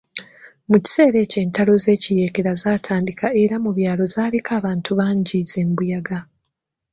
Mu kiseera ekyo entalo z'ekiyeekera zaatandika era mu byalo zaaleka abantu bangi ze mbuyaga.